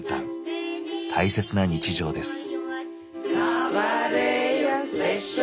大切な日常です。